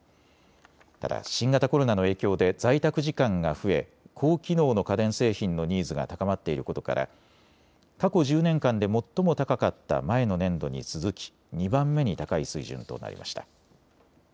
ただ新型コロナの影響で在宅時間が増え、高機能の家電製品のニーズが高まっていることから過去１０年間で最も高かった前の年度に続き２番目に高い水準となりました。